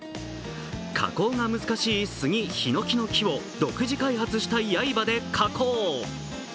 加工が難しいスギ、ヒノキの木を独自開発した刃で加工。